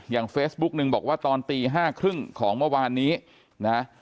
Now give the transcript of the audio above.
เฟซบุ๊กนึงบอกว่าตอนตี๕๓๐ของเมื่อวานนี้นะ